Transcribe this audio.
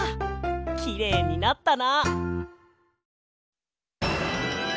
きれいになったな。